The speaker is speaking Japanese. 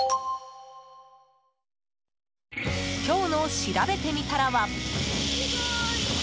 今日のしらべてみたらは。